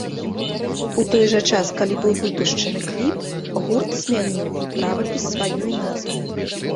У той жа час, калі быў выпушчаны кліп, гурт змяніў і правапіс сваёй назвы.